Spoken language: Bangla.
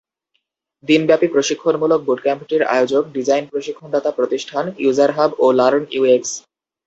দিনব্যাপী প্রশিক্ষণমূলক বুটক্যাম্পটির আয়োজক ডিজাইন প্রশিক্ষণদাতা প্রতিষ্ঠান ইউজারহাব ও লার্ন ইউএক্স।